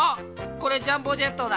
これジャンボジェットだ！